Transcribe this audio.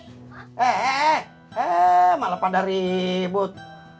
eh eh eh malah pada ribut